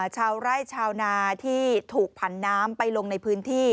ชาวไร่ชาวนาที่ถูกผันน้ำไปลงในพื้นที่